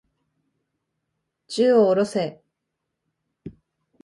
銃を下ろせ。